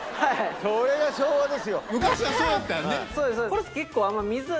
それが昭和ですよ